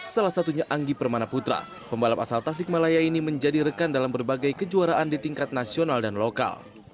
salah satunya anggi permana putra pembalap asal tasikmalaya ini menjadi rekan dalam berbagai kejuaraan di tingkat nasional dan lokal